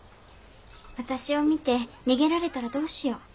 私を見て逃げられたらどうしよう。